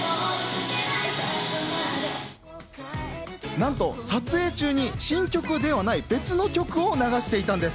なんと撮影中に新曲ではない別の曲を流していたんです。